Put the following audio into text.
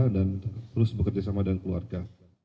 dan terus bekerja sama dengan keluarga